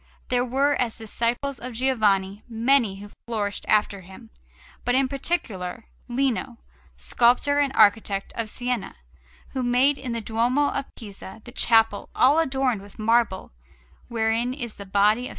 There were as disciples of Giovanni many who flourished after him, but in particular Lino, sculptor and architect of Siena, who made in the Duomo of Pisa the chapel all adorned with marble wherein is the body of S.